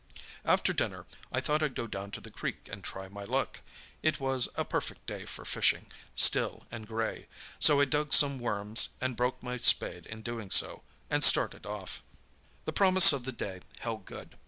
"After dinner I thought I'd go down to the creek and try my luck—it was a perfect day for fishing, still and grey. So I dug some worms—and broke my spade in doing so—and started off. "The promise of the day held good.